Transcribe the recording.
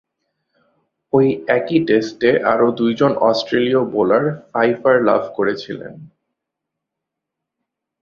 ঐ একই টেস্টে আরও দুইজন অস্ট্রেলীয় বোলার ফিফার লাভ করেছিলেন।